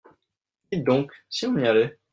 Dites donc, si on y allait ?